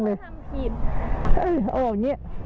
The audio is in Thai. เออเอาแบบนี้